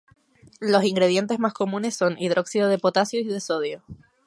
Los ingredientes más comunes son hidróxido de potasio y de sodio.